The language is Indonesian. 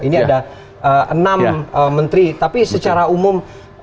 ini ada enam menteri tapi secara umum